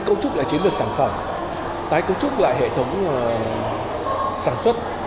cấu trúc lại chiến lược sản phẩm tái cấu trúc lại hệ thống sản xuất